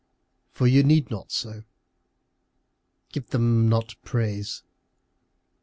For you need not so. Give them not praise.